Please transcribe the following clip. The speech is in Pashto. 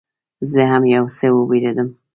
زه هم یو څه وبېرېدم.